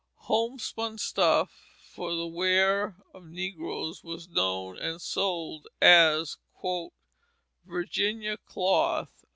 Homespun stuff for the wear of negroes was known and sold as "Virginia cloth."